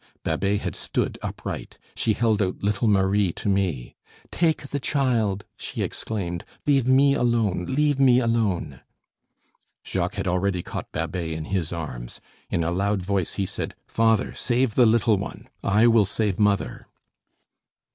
Babet had stood upright. She held out little Marie to me: "Take the child," she exclaimed. "Leave me alone, leave me alone!" Jacques had already caught Babet in his arms. In a loud voice he said: "Father, save the little one I will save mother."